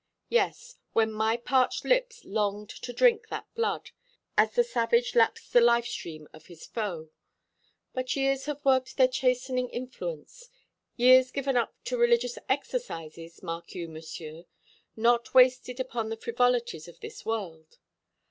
Yes, when my parched lips longed to drink that blood, as the savage laps the life stream of his foe. But years have worked their chastening influence years given up to religious exercises, mark you, Monsieur, not wasted upon the frivolities of this world.